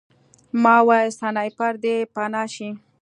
ما وویل سنایپر دی پناه شئ